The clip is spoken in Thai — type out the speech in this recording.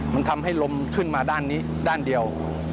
มันทำให้ลมขึ้นมาด้านนี้ด้านเดียว